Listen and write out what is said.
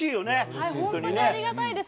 本当にありがたいです。